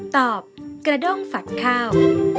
กระด้งฝัดข้าว